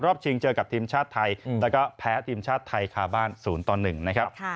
ชิงเจอกับทีมชาติไทยแล้วก็แพ้ทีมชาติไทยคาบ้าน๐ต่อ๑นะครับ